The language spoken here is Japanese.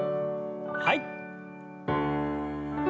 はい。